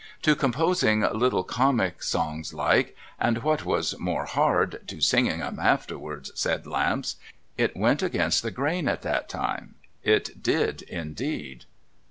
'— To composing little Comic Songs like— and what was more hard — to singing 'em afterwards,' said Lamps, ' it went against the grain at that time, it did indeed.'